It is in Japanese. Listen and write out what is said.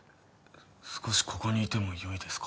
少しここにいてもよいですか？